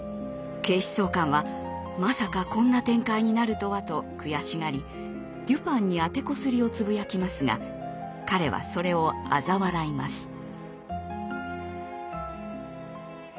警視総監はまさかこんな展開になるとはと悔しがりデュパンに当てこすりをつぶやきますが彼はそれをあざ笑います。